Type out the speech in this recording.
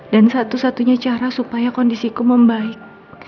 dan satu satunya cara supaya kondisiku membaik